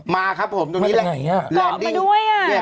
มาครับผมตรงนี้